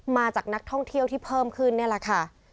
มาจากนักท่องเที่ยวที่เพิ่มขึ้นนี่แหละค่ะ